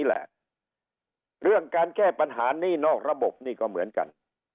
เรื่องการแก้ปัญหานี่นอกระบบนี่ก็เหมือนกัน